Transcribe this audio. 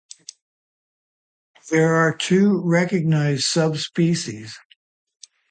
There are two recognised subspecies.